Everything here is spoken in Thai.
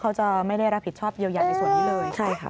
เขาจะไม่ได้รับผิดชอบเยียวยาในส่วนนี้เลยใช่ค่ะ